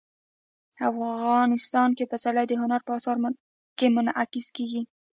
افغانستان کې پسرلی د هنر په اثار کې منعکس کېږي.